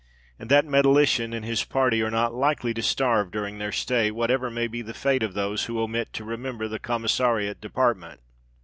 And that metallician and his party are not likely to starve during their stay, whatever may be the fate of those who omit to "remember" the Commissariat Department.